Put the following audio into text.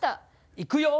いくよ。